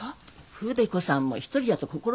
筆子さんも１人やと心細いろ。